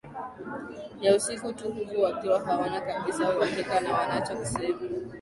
ya usiku tu huku wakiwa hawana kabisa uhakika na wanacho kisema